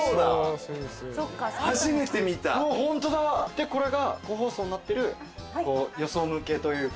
でこれが個包装になってるよそ向けというか。